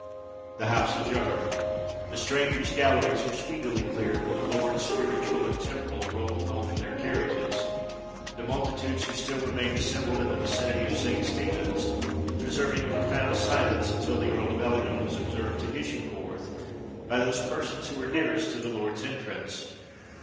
The House adjourned—the strangers' galleries were speedily cleared—and the Lords, Spiritual and Temporal, rolled home in their carriages, the multitudes, who still remained assembled in the vicinity of St. Stephen's, preserving a profound silence, until the Earl of Ellingham was observed to issue forth by those persons who were nearest to the Lords' entrance.